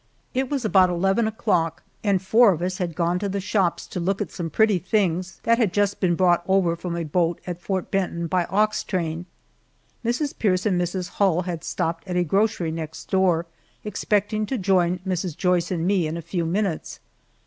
It was about eleven o'clock, and four of us had gone to the shops to look at some pretty things that had just been brought over from a boat at Fort Benton by ox train. Mrs. Pierce and Mrs. Hull had stopped at a grocery next door, expecting to join Mrs. Joyce and me in a few minutes.